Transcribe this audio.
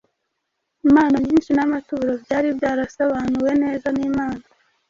Impano nyinshi n’amaturo byari byarasobanuwe neza n’Imana.